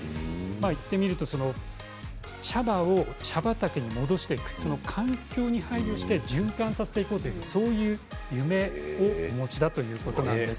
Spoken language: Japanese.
言ってみると茶葉を茶畑に戻していく環境に配慮して循環させていこうという夢をお持ちだということなんです。